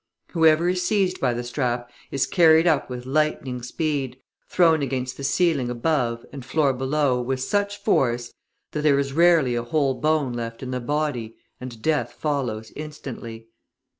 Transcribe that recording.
Whoever is seized by the strap is carried up with lightning speed, thrown against the ceiling above and floor below with such force that there is rarely a whole bone left in the body, and death follows instantly.